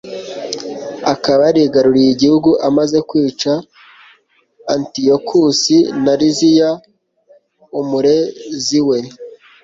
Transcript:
akaba yarigaruriye igihugu, amaze kwica antiyokusi na liziya, umurezi we